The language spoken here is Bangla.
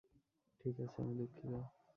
ঠিক আছে, আমি দুঃখিত।